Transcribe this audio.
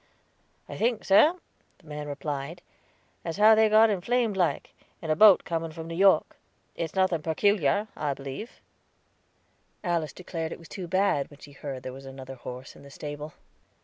"I think, sir," the man replied, "as how they got inflamed like, in the boat coming from New York. It's nothing perticalar, I believe." Alice declared it was too bad, when she heard there was another horse in the stable.